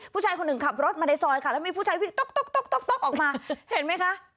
ผู้ชายคนหนึ่งขับรถมาในซอยค่ะแล้วมีผู้ชายวิ่งต๊อกออกมาเห็นไหมคะ